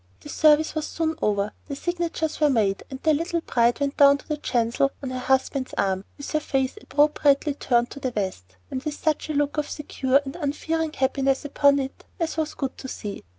The service was soon over, the signatures were made, and the little bride went down the chancel on her husband's arm, with her face appropriately turned to the west, and with such a look of secure and unfearing happiness upon it as was good to see.